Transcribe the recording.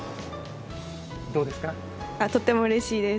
とってもうれしいです。